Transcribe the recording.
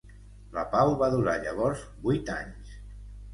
La pau va durar llavors vuit anys.